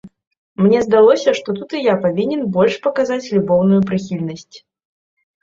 Мне здалося, што тут і я павінен больш паказаць любоўную прыхільнасць.